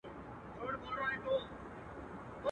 ستا په مخ کي دروغ نه سمه ویلای.